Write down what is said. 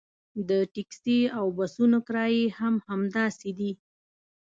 د ټکسي او بسونو کرایې هم همداسې دي.